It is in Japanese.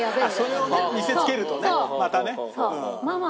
それをね見せ付けるとねまたね。